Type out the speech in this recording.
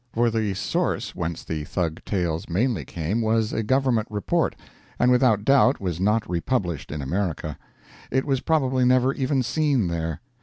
For the source whence the Thug tales mainly came was a Government Report, and without doubt was not republished in America; it was probably never even seen there.